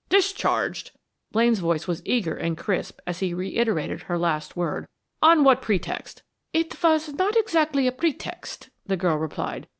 "Discharged!" Blaine's voice was eager and crisp as he reiterated her last word. "On what pretext?" "It was not exactly a pretext," the girl replied.